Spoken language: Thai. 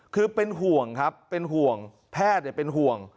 คือเป็นห่วงครับแพทย์เป็นห่วง